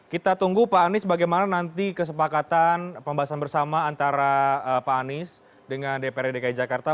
kita tunggu pak anies bagaimana nanti kesepakatan pembahasan bersama antara pak anies dengan dprd dki jakarta